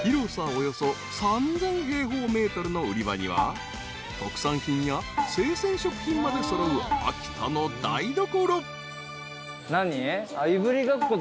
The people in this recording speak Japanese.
およそ３，０００平方ｍの売り場には特産品や生鮮食品まで揃う秋田の台所］